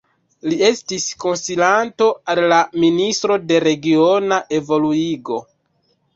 Li estas konsilanto al la Ministro de Regiona Evoluigo.